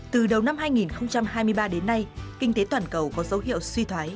từ đầu năm hai nghìn hai mươi ba đến nay kinh tế toàn cầu có dấu hiệu suy thoái